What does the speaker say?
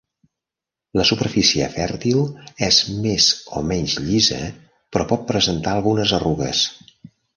La superfície fèrtil és més o menys llisa però pot presentar algunes arrugues.